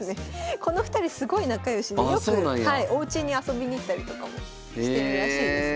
この２人すごい仲良しでよくおうちに遊びに行ったりとかもしてるらしいですね。